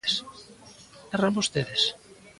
Erran vostedes.